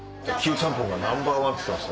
ちゃんぽんがナンバーワンっつってました。